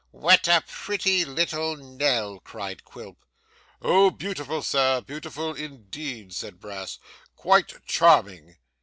'What a pretty little Nell!' cried Quilp. 'Oh beautiful, sir, beautiful indeed,' said Brass. 'Quite charming.